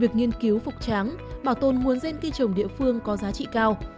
việc nghiên cứu phục tráng bảo tồn nguồn ren kỳ trồng địa phương có giá trị cao